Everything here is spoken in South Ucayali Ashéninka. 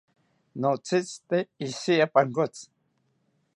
Notzitzite ishiya pankotzi